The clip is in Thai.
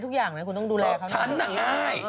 ต้องคุยตอนเช้า